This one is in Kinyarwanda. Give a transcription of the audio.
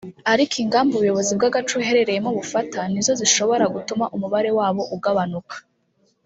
ariko ingamba ubuyobozi bw’ agace uherereyemo bufata ni zo zishobora gutuma umubare wabo ugabanuka